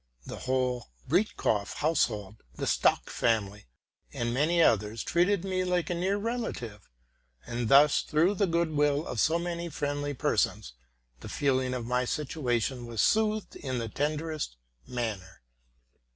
The whole Breitkopf household, the Stock family, and many others, treated me like a near relative; and thus, through the good will of so many friendly persons, the feeling of my situation was soothed in the tenderest manner.